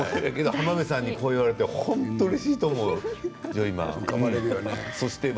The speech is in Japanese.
浜辺さんにこう言われて本当にうれしいと思うジョイマン。